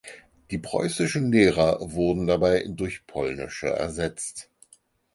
Die preußischen Lehrer wurden dabei durch polnische ersetzt.